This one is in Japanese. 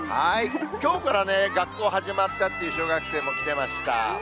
きょうからね、学校始まったっていう小学生も来てました。